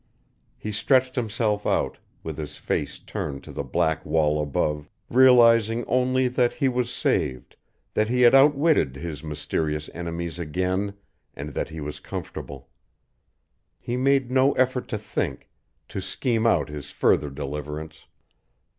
He stretched himself out, with his face turned to the black wall above, realizing only that he was saved, that he had outwitted his mysterious enemies again, and that he was comfortable. He made no effort to think to scheme out his further deliverance.